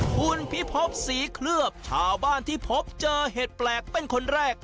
คุณพิพบศรีเคลือบชาวบ้านที่พบเจอเห็ดแปลกเป็นคนแรก